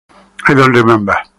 I don't remember.